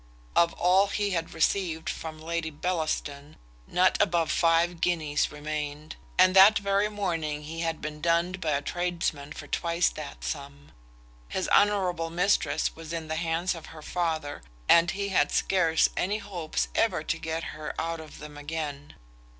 Of all he had received from Lady Bellaston, not above five guineas remained; and that very morning he had been dunned by a tradesman for twice that sum. His honourable mistress was in the hands of her father, and he had scarce any hopes ever to get her out of them again.